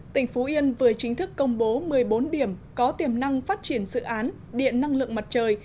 tỉnh phú yên vừa chính thức công bố một mươi bốn điểm có tiềm năng phát triển dự án điện năng lượng mặt trời